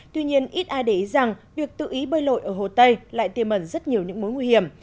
tuy nhiên ít ai để ý rằng việc tự ý bơi lội ở hồ tây lại tiềm ẩn rất nhiều những mối nguy hiểm